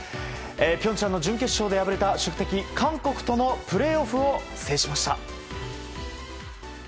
平昌の準決勝で敗れた宿敵・韓国とのプレーオフを制しました。